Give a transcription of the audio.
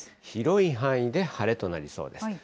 広い範囲で晴れとなりそうです。